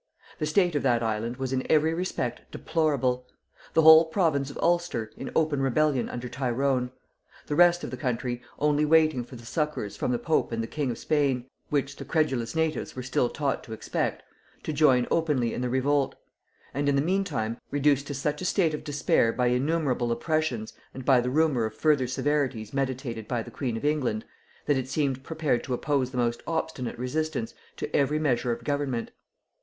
The state of that island was in every respect deplorable: the whole province of Ulster in open rebellion under Tyrone; the rest of the country only waiting for the succours from the pope and the king of Spain, which the credulous natives were still taught to expect, to join openly in the revolt; and in the meantime reduced to such a state of despair by innumerable oppressions and by the rumor of further severities meditated by the queen of England, that it seemed prepared to oppose the most obstinate resistance to every measure of government.